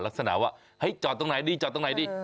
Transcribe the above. ลักษณะว่าเจาะตรงไหนดี